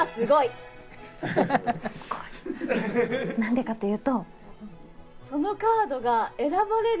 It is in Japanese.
すごい、何でかというと。